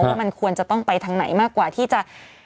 ว่ามันควรจะต้องไปทางไหนมากกว่าที่จะ